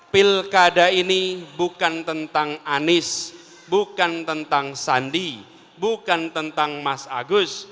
pilkada ini bukan tentang anies bukan tentang sandi bukan tentang mas agus